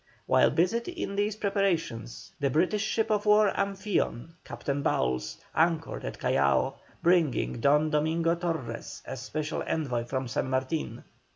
While busied in these preparations, the British ship of war Amphion, Captain Bowles, anchored at Callao, bringing Don Domingo Torres as special envoy from San Martin.